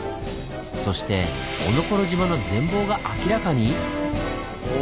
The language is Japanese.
そしておのころ島の全貌が明らかに⁉お。